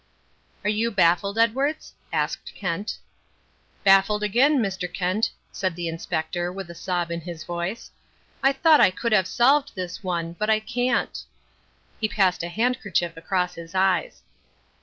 "Are you baffled, Edwards?" asked Kent. "Baffled again, Mr. Kent," said the Inspector, with a sob in his voice. "I thought I could have solved this one, but I can't." He passed a handkerchief across his eyes.